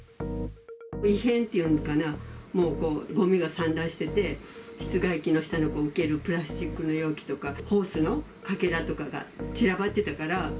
異変っていうのかな、ごみが散乱してて、室外機の下の受ける、プラスチックの容器とか、ホースのかけらとかが散らばってたから。